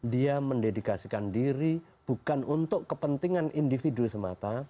dia mendedikasikan diri bukan untuk kepentingan individu semata